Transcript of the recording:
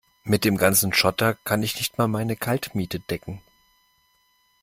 Mit dem ganzen Schotter kann ich nicht mal meine Kaltmiete decken.